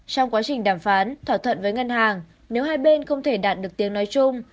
trong quá trình đàm phán thỏa thuận với ngân hàng nếu hai bên không thể đạt được tiếng nói chung